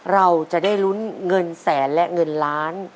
เราจะได้ลุ้นเงินแสนและเงินล้าน